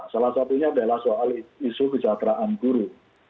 salah satunya adalah soal isu kejahteraan guru